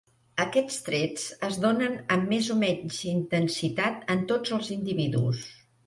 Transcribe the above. Aquests trets es donen amb més o menys intensitat en tots els individus.